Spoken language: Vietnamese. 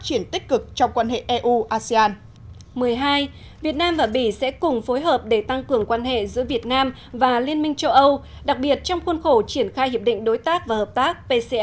một mươi hai việt nam và bì sẽ cùng phối hợp để tăng cường quan hệ giữa việt nam và liên minh châu âu đặc biệt trong khuôn khổ triển khai hiệp định đối tác và hợp tác